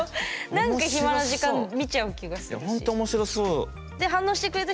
なんか暇な時間見ちゃう気がするし。